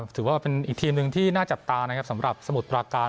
ถือว่าเป็นอีกทีมหนึ่งที่น่าจับตานะครับสำหรับสมุทรปราการ